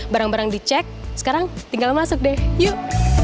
barang barang dicek sekarang tinggal masuk deh yuk